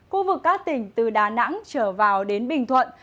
khu vực các tỉnh từ đà nẵng trở vào đến bình thuận